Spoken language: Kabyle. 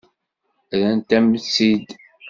Rrant-am-tt-id.